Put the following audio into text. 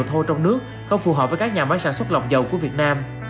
dầu thô trong nước không phù hợp với các nhà máy sản xuất lọc dầu của việt nam